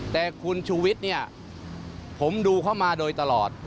แต่คุณชูวิทย์เนี่ยผมดูเข้ามาโดยตลอด